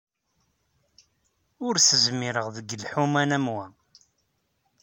Ur s-zmireɣ deg lḥuman am wa.